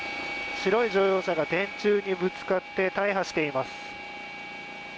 白い乗用車が電柱にぶつかって大破しています。